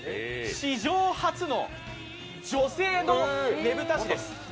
史上初の女性のねぶた師です。